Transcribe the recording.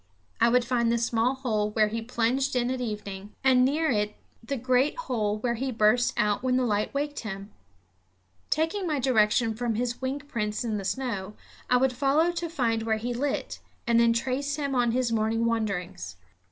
I would find the small hole where he plunged in at evening, and near it the great hole where he burst out when the light waked him. Taking my direction from his wing prints in the snow, I would follow to find where he lit, and then trace him on his morning wanderings.